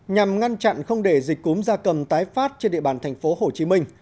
nhằm ngăn chặn không để dịch cúm da cầm tái phát trên địa bàn thành phố hồ chí minh